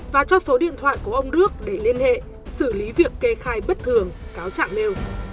và cho số điện thoại của ông đức để liên hệ xử lý việc kê khai bất thường cáo trạng nêu